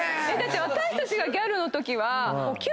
私たちがギャルのときは。